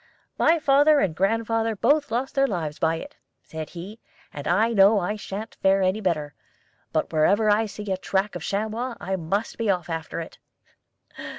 'My father and grandfather both lost their lives by it,' said he, 'and I know I sha'n't fare any better; but whenever I see the track of a chamois, I must be off after it.'